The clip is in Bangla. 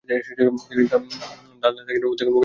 তিনি দারদানেলেস অতিক্রম করে এশিয়া আসেন।